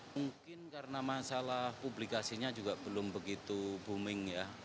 mungkin karena masalah publikasinya juga belum begitu booming ya